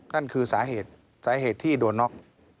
นั่นคือสาเหตุสาเหตุที่โดนน็อก